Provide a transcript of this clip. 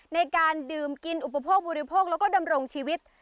ในการดื่มกินอุปโภคบริโภคแล้วก็ดำรงชีวิต